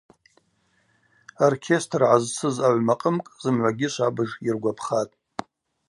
Оркестр гӏазсыз агӏвмакъымкӏ зымгӏвагьи швабыж йыргвапхатӏ.